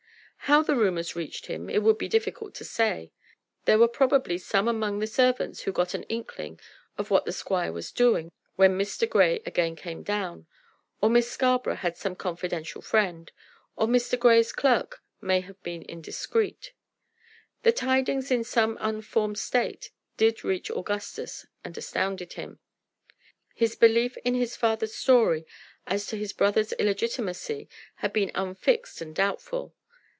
How the rumors reached him it would be difficult to say. There were probably some among the servants who got an inkling of what the squire was doing when Mr. Grey again came down; or Miss Scarborough had some confidential friend; or Mr. Grey's clerk may have been indiscreet. The tidings in some unformed state did reach Augustus and astounded him. His belief in his father's story as to his brother's illegitimacy had been unfixed and doubtful.